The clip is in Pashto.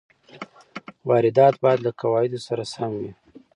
واردات باید له قواعدو سره سم وي.